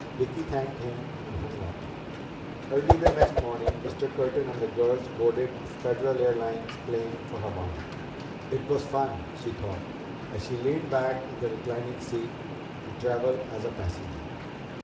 Vicki thanked him and hung up. Early the next morning Mr. Curtin and the girls boarded a Federal Airlines plane for Havana. It was fun, she thought, as she leaned back in the reclining seat, to travel as a passenger.